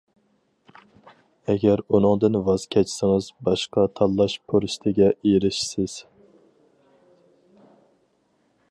ئەگەر ئۇنىڭدىن ۋاز كەچسىڭىز، باشقا تاللاش پۇرسىتىگە ئېرىشىسىز.